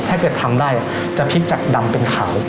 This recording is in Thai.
ถ้าเกิดทำได้จะพลิกจากดำเป็นขาว